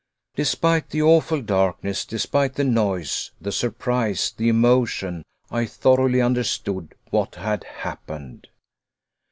Despite the awful darkness, despite the noise, the surprise, the emotion, I thoroughly understood what had happened.